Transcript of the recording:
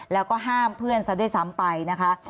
แล้วก็ห้ามเพื่อนซะด้วยซ้ำไปนะคะ